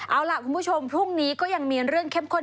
เอาล่ะคุณผู้ชมพรุ่งนี้ก็ยังมีเรื่องเข้มข้น